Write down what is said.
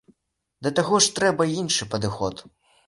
Да таго ж, трэба іншы падыход.